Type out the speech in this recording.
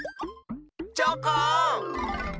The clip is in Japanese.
チョコン！